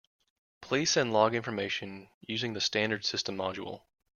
Please send log information using the standard system module.